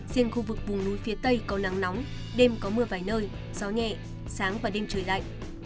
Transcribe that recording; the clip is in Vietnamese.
riêng khu vực vùng núi phía tây có nắng nóng đêm có mưa vài nơi gió nhẹ sáng và đêm trời lạnh